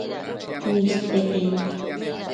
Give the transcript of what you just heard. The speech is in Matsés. niste tenu